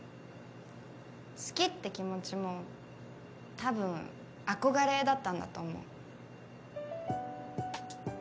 好きって気持ちもたぶん憧れだったんだと思う。